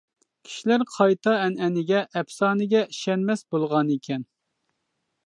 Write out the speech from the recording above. كىشىلەر قايتا ئەنئەنىگە، ئەپسانىگە ئىشەنمەس بولغانىكەن.